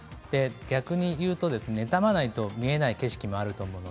逆に言うと妬まないと見えない景色もあると思います。